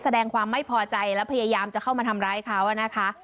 แสดงความไม่พอใจและพยายามจะเข้ามาทำร้ายเขานะคะ